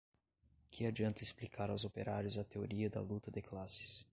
Que adianta explicar aos operários a teoria da luta de classes